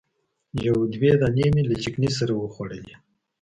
یو دوه دانې مې له چکني سره وخوړلې.